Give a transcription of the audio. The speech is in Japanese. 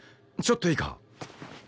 ちょっといいか？